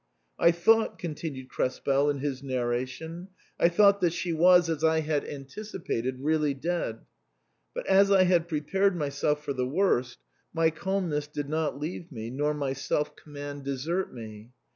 " I thought," continued Krespel in his narration, " I thought that she was, as I had an ticipated, really dead ; but as I had prepared myself for the worst, my calmness did not leave me, nor my self command desert me.